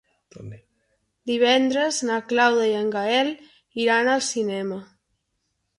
Divendres na Clàudia i en Gaël iran al cinema.